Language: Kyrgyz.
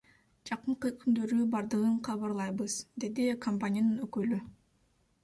Жакынкы күндөрү бардыгын кабарлайбыз, — деди компаниянын өкүлү.